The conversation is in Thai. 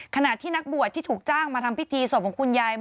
ขณะที่นักบวชที่ถูกจ้างมาทำพิธีศพของคุณยาย